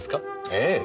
ええ。